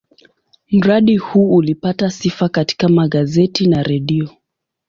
Mradi huu ulipata sifa katika magazeti na redio.